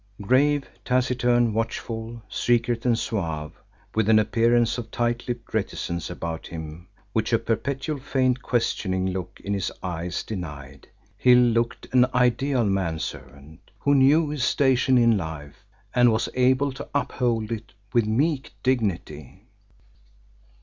Grave, taciturn, watchful, secret and suave, with an appearance of tight lipped reticence about him which a perpetual faint questioning look in his eyes denied, Hill looked an ideal man servant, who knew his station in life, and was able to uphold it with meek dignity.